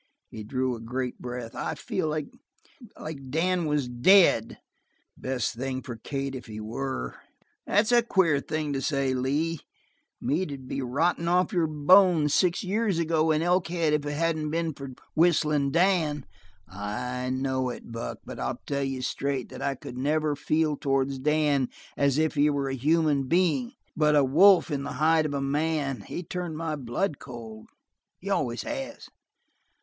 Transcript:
He drew a great breath. "I feel like like Dan was dead!" "The best thing for Kate if he were." "That's a queer thing to say, Lee. The meat would be rotted off your bones six years ago in Elkhead if it hadn't been for Whistlin' Dan." "I know it, Buck. But I'll tell you straight that I could never feel towards Dan as if he were a human being, but a wolf in the hide of a man. He turned my blood cold; he always has."